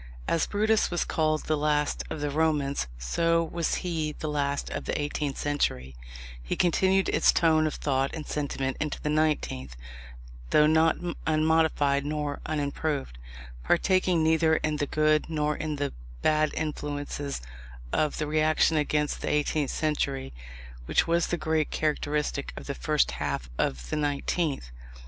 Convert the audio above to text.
As Brutus was called the last of the Romans, so was he the last of the eighteenth century: he continued its tone of thought and sentiment into the nineteenth (though not unmodified nor unimproved), partaking neither in the good nor in the bad influences of the reaction against the eighteenth century, which was the great characteristic of the first half of the nineteenth.